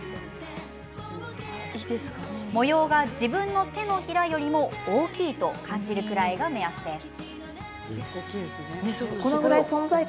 模様が自分の手のひらよりも大きいと感じるくらいが目安です。